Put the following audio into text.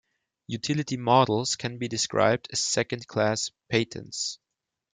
Utility models can be described as second-class patents.